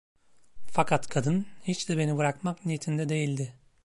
Fakat kadın hiç de beni bırakmak niyetinde değildi.